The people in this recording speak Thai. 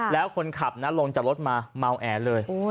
แล้วคนขับลงจากรถมาเมาแอเลย